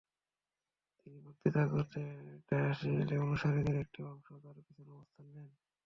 তিনি বক্তৃতা করতে ডায়াসে এলে অনুসারীদের একটি অংশ তাঁর পেছনে অবস্থান নেন।